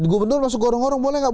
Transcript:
gubernur masuk gorong gorong boleh nggak